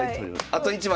あと１枚！